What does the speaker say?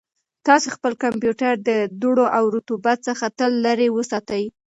تاسو خپل کمپیوټر د دوړو او رطوبت څخه تل لرې وساتئ.